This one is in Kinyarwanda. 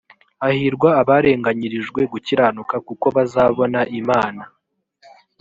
hahirwa abarenganyirijwe gukiranuka kuko bazabona imana